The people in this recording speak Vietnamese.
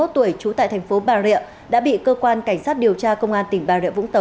ba mươi tuổi trú tại thành phố bà rịa đã bị cơ quan cảnh sát điều tra công an tỉnh bà rịa vũng tàu